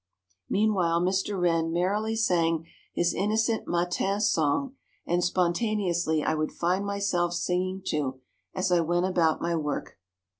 Meanwhile Mr. Wren merrily sang his innocent matin song, and spontaneously I would find myself singing too, as I went about my work.